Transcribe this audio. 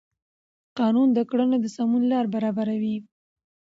قانون د کړنو د سمون لار برابروي.